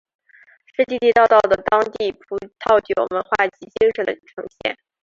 是地地道道的当地葡萄酒文化及精神的呈现。